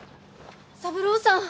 三郎さん。